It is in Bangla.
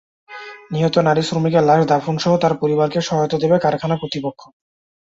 নিহত নারী শ্রমিকের লাশ দাফনসহ তাঁর পরিবারকে সহায়তা দেবে কারখানা কর্তৃপক্ষ।